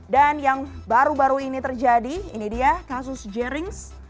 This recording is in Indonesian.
dan yang baru baru ini terjadi ini dia kasus jerings